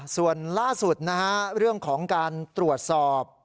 ส่วนล่าสุดนะฮะเรื่องของการตรวจสอบ